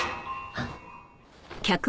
あっ！